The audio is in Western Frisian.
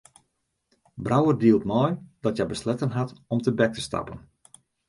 Brouwer dielt mei dat hja besletten hat om tebek te stappen.